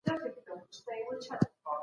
کار انسان ته ذهني ارامي بخښي.